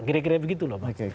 kira kira begitu loh pak